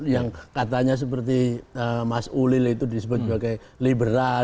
yang katanya seperti mas ulil itu disebut sebagai liberal